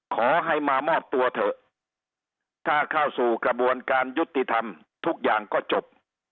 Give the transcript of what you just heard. ขอให้มามอบตัวเถอะถ้าเข้าสู่กระบวนการยุติธรรมทุกอย่างก็จบ